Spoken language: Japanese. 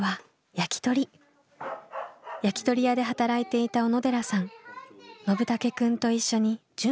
焼き鳥屋で働いていた小野寺さんのぶたけくんと一緒に準備をします。